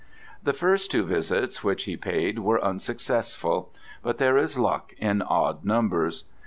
The first two visits which he paid were unsuccessful: but there is luck in odd numbers.